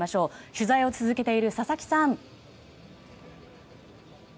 取材を続けている佐々木さん。